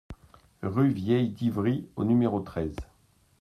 Rue Vieille d'Ivry au numéro treize